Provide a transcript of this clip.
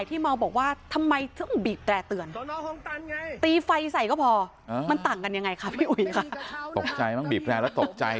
พี่อย่ามาคุยกับผมนี้เลย